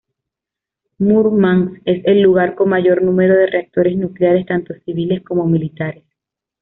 Múrmansk es el lugar con mayor número de reactores nucleares tanto civiles como militares.